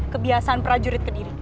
kebiasaan prajurit ke diri